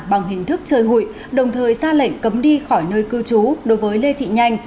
bằng hình thức chơi hụi đồng thời ra lệnh cấm đi khỏi nơi cư trú đối với lê thị nhanh